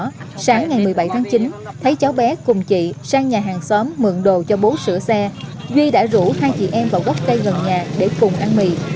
trước đó sáng ngày một mươi bảy tháng chín thấy cháu bé cùng chị sang nhà hàng xóm mượn đồ cho bố sửa xe duy đã rủ hai chị em vào gốc cây gần nhà để cùng ăn mì